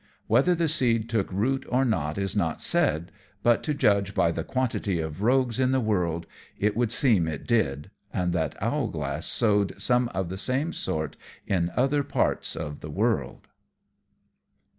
Whether the seed took root or not is not said; but to judge by the quantity of rogues in the world, it would seem it did, and that Owlglass sowed some of the same sort in other parts of the world.